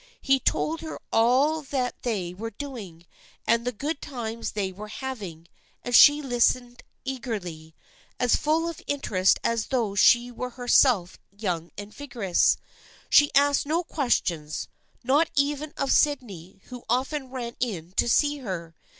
He told her all that they were doing and the good times they were having and she listened eagerly, as full of interest as though she were herself young and vigorous. She asked no questions, not even of Sydney who often ran in to see her.